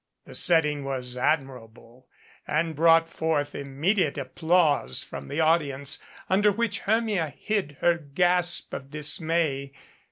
The setting was ad mirable and brought forth immediate applause from the audience, under which Hermia hid her gasp of dismay.